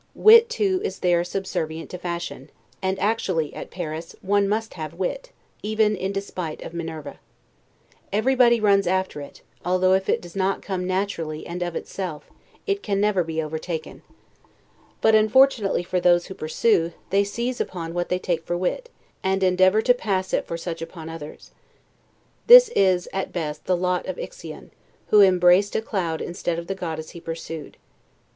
Wit, too, is there subservient to fashion; and actually, at Paris, one must have wit, even in despite of Minerva. Everybody runs after it; although if it does not come naturally and of itself; it never can be overtaken. But, unfortunately for those who pursue, they seize upon what they take for wit, and endeavor to pass it for such upon others. This is, at best, the lot of Ixion, who embraced a cloud instead of the goddess he pursued.